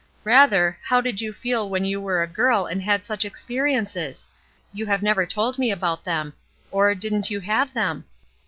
Rather, how did you feel when you were a girl and had such experiences? You have never told me about them. Or, didn't you have them